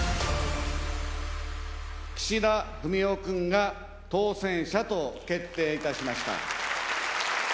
岸田文雄君が当選者と決定いたしました。